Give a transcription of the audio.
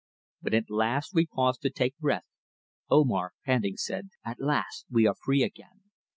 When at length we paused to take breath Omar, panting, said: "At last we are free again.